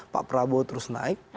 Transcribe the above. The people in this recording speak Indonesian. pak prabowo terus naik